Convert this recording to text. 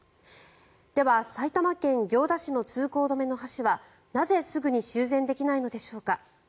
では、埼玉県行田市の通行止めの橋はなぜすぐに修繕できないのでしょうか。